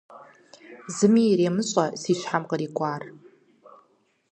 Зыми иремыщӀэ си щхьэм кърикӀуар.